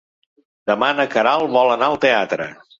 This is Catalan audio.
Demà na Queralt vol anar al teatre.